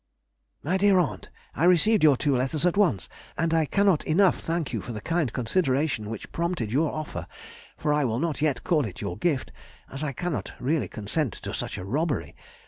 MY DEAR AUNT,— I received your two letters at once, and I cannot enough thank you for the kind consideration which prompted your offer, for I will not yet call it your gift, as I cannot really consent to such a robbery.